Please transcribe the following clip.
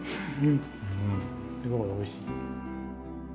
すごいおいしい。